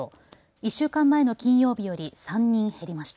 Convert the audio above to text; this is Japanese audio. １週間前の金曜日より３人減りました。